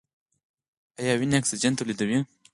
ایا ونې اکسیجن تولیدوي؟